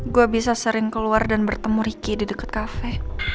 gua bisa sering keluar dan bertemu ricky di deket cafe